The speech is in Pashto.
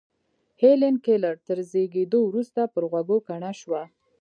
هېلېن کېلر تر زېږېدو وروسته پر غوږو کڼه شوه.